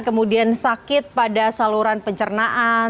kemudian sakit pada saluran pencernaan